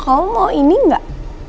kau mau ini enggak